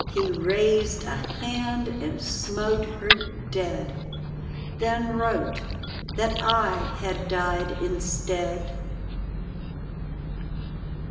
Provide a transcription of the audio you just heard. He raised a hand and smote her dead ; Then wrote, " That I had died instead!